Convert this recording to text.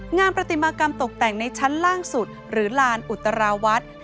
งานปฏิมากรรมตกแต่งในชั้นล่างสุดหรือลานอุตราวัด